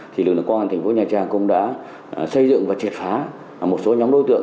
thì lực lượng công an thành phố nha trang cũng đã xây dựng và triệt phá một số nhóm đối tượng